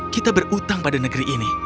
kita berutang pada negeri ini